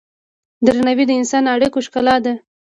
درناوی د انساني اړیکو ښکلا ده.